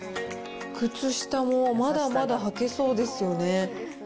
靴下もまだまだ履けそうですよね。